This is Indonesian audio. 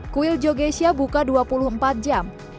kuil jogesia buka dua puluh empat jam